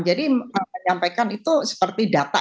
jadi menyampaikan itu seperti data